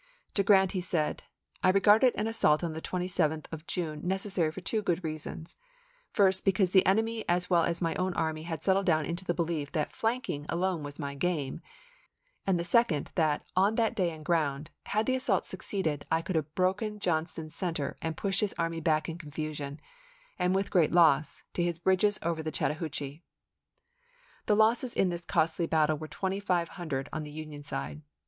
To Grant he said, " I re garded an assault on the 27th of June necessary for two good reasons : first, because the enemy as well as my own army had settled down into the belief that l flanking ' alone was my game ; and second, that, on that day and ground, had the assault succeeded I could have broken Johnston's center and pushed his army back in confusion, juiy 12, and with great loss, to his bridges over the Chat ibid., p.* 122. tahoochee." The losses in this costly battle were twenty five SHERMAN'S CAMPAIGN TO THE CHATTAHOOCHEE 25 hundred on the Union side.